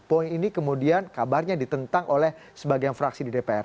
poin ini kemudian kabarnya ditentang oleh sebagian fraksi di dpr